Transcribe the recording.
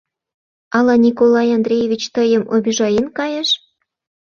Ала Николай Андреевич тыйым обижаен кайыш?